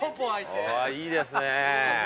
いいですねぇ。